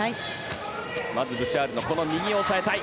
まずブシャールの右を押さえたい。